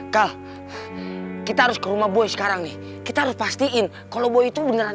kal kita harus ke rumah boy sekarang nih kita harus pastiin kalau boy itu beneran